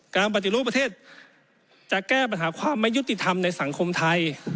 การปฏิรูปประเทศจะแก้ปัญหาความไม่ยุติธรรมในสังคมไทย